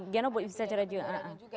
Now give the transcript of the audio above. giano bisa dicara juga